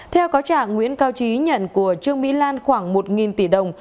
theo cáo trả nguyễn cao trí nhận của trương mỹ lan khoảng một tỷ đồng